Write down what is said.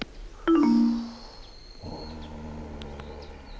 うん。